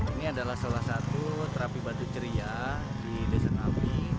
ini adalah salah satu terapi batu ceria di dusun abi